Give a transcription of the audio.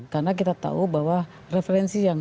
karena kita tahu bahwa referensi yang